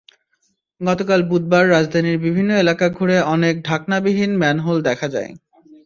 গতকাল বুধবার রাজধানীর বিভিন্ন এলাকা ঘুরে অনেক ঢাকনাবিহীন ম্যানহোল দেখা যায়।